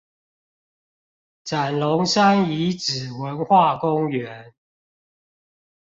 斬龍山遺址文化公園